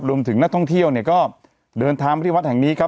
รวมถึงนักท่องเที่ยวเนี่ยก็เดินทางมาที่วัดแห่งนี้ครับ